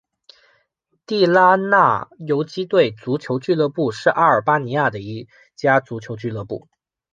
地拉那游击队足球俱乐部是阿尔巴尼亚的一家足球俱乐部。